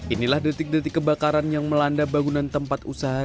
inilah detik detik kebakaran yang melanda bangunan tempat usaha